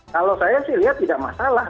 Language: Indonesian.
kalau saya sih lihat tidak masalah